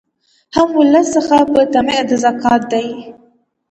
هم ولس څخه په طمع د زکات دي